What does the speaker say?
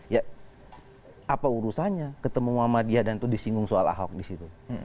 ya apa urusannya ketemu muhammadiyah dan itu disinggung soal ahok di situ